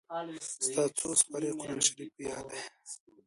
ستا څو سېپارې قرآن شريف په ياد دئ.